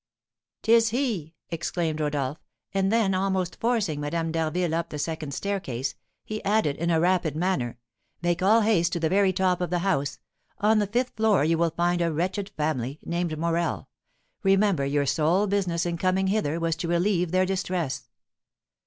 "'Tis he!" exclaimed Rodolph, and then, almost forcing Madame d'Harville up the second staircase, he added, in a rapid manner, "make all haste to the very top of the house; on the fifth floor you will find a wretched family, named Morel. Remember your sole business in coming hither was to relieve their distress."